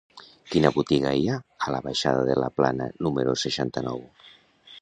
Quina botiga hi ha a la baixada de la Plana número seixanta-nou?